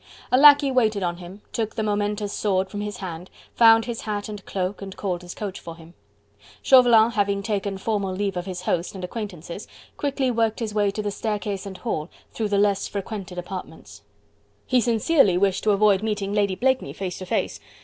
A lacquey waited on him, took the momentous sword from his hand, found his hat and cloak and called his coach for him: Chauvelin having taken formal leave of his host and acquaintances, quickly worked his way to the staircase and hall, through the less frequented apartments. He sincerely wished to avoid meeting Lady Blakeney face to face.